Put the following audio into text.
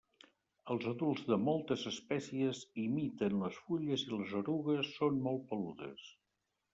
Els adults de moltes espècies imiten les fulles i les erugues són molt peludes.